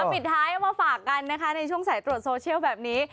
ปิดท้ายเอามาฝากกันนะคะในช่วงสายตรวจโซเชียลแบบนี้